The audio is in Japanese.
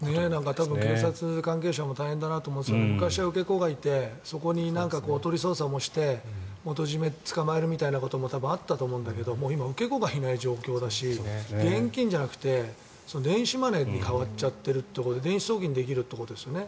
多分、警察関係者も大変だなと思うんですが昔は受け子がいてそこにおとり捜査もして元締めを捕まえるみたいなこともあったと思うんだけどもう今、受け子がいない状況だし現金じゃなくて電子マネーに変わっちゃってるってことでこれ、電子送金できるってことですよね。